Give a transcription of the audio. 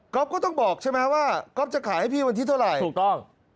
ก็ต้องบอกใช่ไหมว่าก๊อฟจะขายให้พี่วันที่เท่าไหร่ถูกต้อง